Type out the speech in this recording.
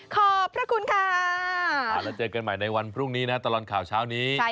ขอบพระคุณค่า